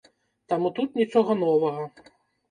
Таму тут нічога новага.